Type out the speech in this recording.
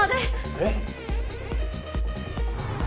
えっ？